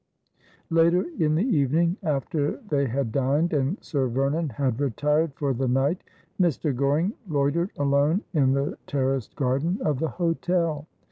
Later in the evening, after they had dmed, and Sir Vernon had rethed for the night, Mr. Goring loitered alone in the ter raced garden of the hotel.